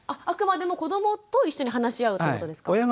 あくまでも子どもと一緒に話し合うってことですか。